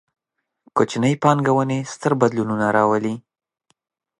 کوچنۍ پانګونې، ستر بدلونونه راولي